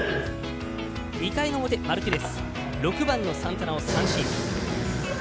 ２回の表マルティネス６番のサンタナを三振。